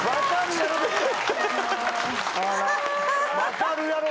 「分かるやろ？」